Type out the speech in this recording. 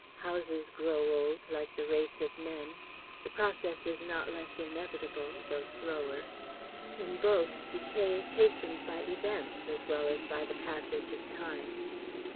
Houses grow old like the race of men; the process is not less inevitable, though slower; in both, decay is hastened by events as well as by the passage of Time.